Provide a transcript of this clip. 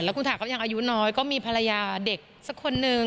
คุณถาก็ยังอายุน้อยก็มีภรรยาเด็กสักคนนึง